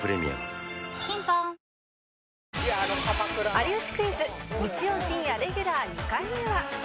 『有吉クイズ』日曜深夜レギュラー２回目は